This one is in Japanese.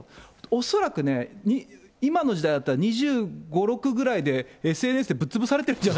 恐らくね、今の時代だったら２５、６ぐらいで、ＳＮＳでぶっ潰されてるんじゃない？